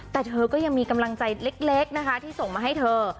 แต่เธอก็ยังมีกำลังใจเล็กนะคะที่ส่งมาให้เธอ